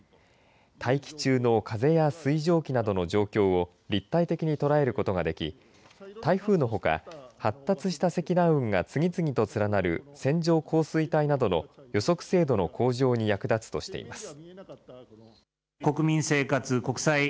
大気中の風や水蒸気などの状況を立体的に捉えることができ台風のほか発達した積乱雲が次々と連なる線状降水帯などの予測精度の向上に役立つとしています。